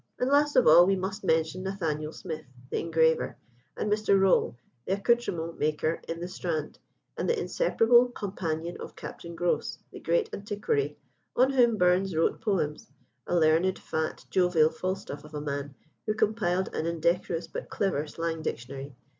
And, last of all, we must mention Nathanael Smith, the engraver, and Mr. Rawle, the accoutrement maker in the Strand, and the inseparable companion of Captain Grose, the great antiquary, on whom Burns wrote poems a learned, fat, jovial Falstaff of a man, who compiled an indecorous but clever slang dictionary.